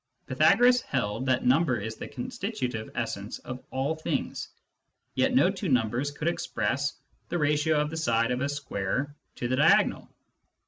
Pytha goras held that number is the constitutive essence of all things, yet no two numbers could express the ratio of the side of a square to the diagonal.